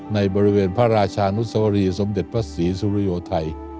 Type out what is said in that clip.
ในบริเวณพระราชานุสวรีสมเด็จพระศรีสุริโยไทย